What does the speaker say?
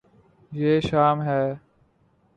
یے شام ہے